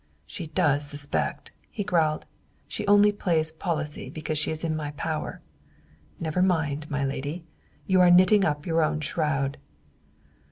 "She does suspect!" he growled. "She only plays policy because she is in my power. Never mind, my lady; you are knitting up your own shroud."